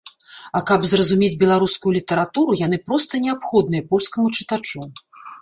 А каб зразумець беларускую літаратуру, яны проста неабходныя польскаму чытачу.